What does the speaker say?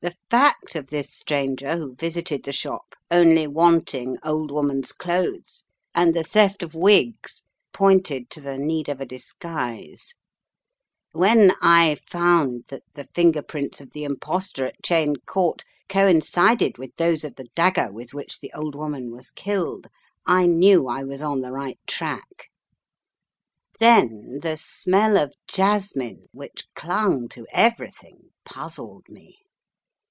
The fact of this stranger who visited the shop only wanting old woman's clothes and the theft of wigs pointed to the need of a disguise. When I found that the finger prints of the impostor at Cheyne Court coincided with those of the dagger with which the old woman was killed, I knew I was on the right track. Then the smell of jasmine, which clung to everything, puzzled me.